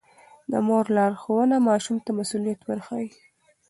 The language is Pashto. د مور لارښوونه ماشوم ته مسووليت ورښيي.